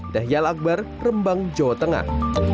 dahyal akbar rembang jawa tengah